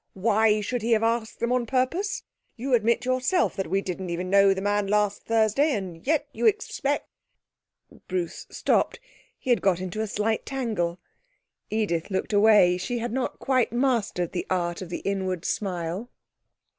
Why should he have asked them on purpose. You admit yourself that we didn't even know the man last Thursday, and yet you expect ' Bruce stopped. He had got into a slight tangle. Edith looked away. She had not quite mastered the art of the inward smile.